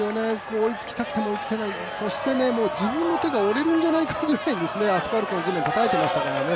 追いつきたくても追いつけないそして自分の手が折れるんじゃないかっていうぐらいアスファルト、地面をたたいていましたよね。